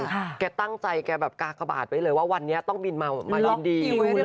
ค่ะแกตั้งใจแกแบบกากบาทไปเลยว่าวันนี้ต้องบินมามายินดีล็อกทิวเลย